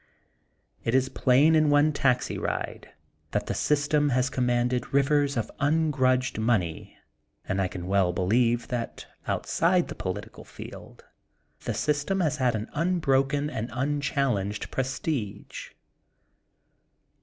It is plain in one ■ taxi ride that the system has commanded irivers of ungrudged money and I can well be \eve that outside the political field the system THE GOLDEN BOOK OF SPRINGFIELD 101 has had an unbroken and unchallenged pres tige.